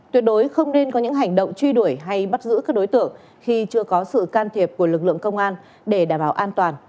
tuyệt đối không nên có những hành động truy đuổi hay bắt giữ các đối tượng khi chưa có sự can thiệp của lực lượng công an để đảm bảo an toàn